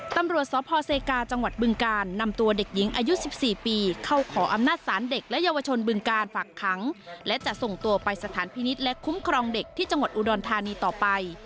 ตำรวจสพเซกาจังหวัดบึงการนำตัวเด็กหญิงอายุ๑๔ปีเข้าขออำนาจศาลเด็กและเยาวชนบึงการฝากขังและจะส่งตัวไปสถานพินิษฐ์และคุ้มครองเด็กที่จังหวัดอุดรธานีต่อไป